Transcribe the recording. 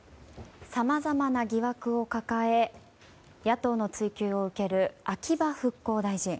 さまざまな疑惑を抱え野党の追及を受ける秋葉復興大臣。